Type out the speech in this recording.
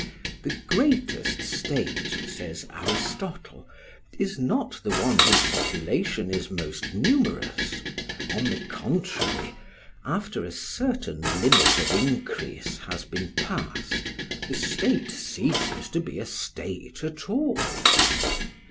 The greatest state, says Aristotle, is not the one whose population is most numerous; on the contrary, after a certain limit of increase has been passed, the state ceases to be a state at all.